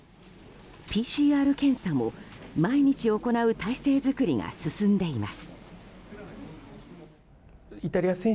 ＰＣＲ検査も毎日行う体制作りが進んでいます。